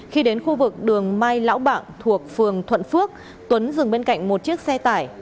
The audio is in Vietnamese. khi đến khu vực đường mai lão bạc thuộc phường thuận phước tuấn dừng bên cạnh một chiếc xe tải